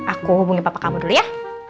aku hubungi bapak kamu dulu ya